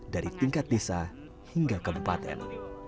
dari tingkat desa hingga kebupaten